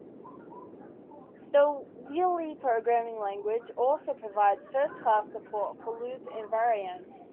The Whiley programming language also provides first-class support for loop invariants.